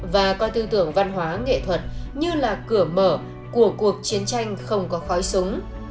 và coi tư tưởng văn hóa nghệ thuật như là cửa mở của cuộc chiến tranh không có khói súng